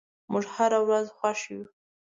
موږ هره ورځ خوښ یو.